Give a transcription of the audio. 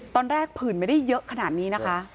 ผื่นไม่ได้เยอะขนาดนี้นะคะ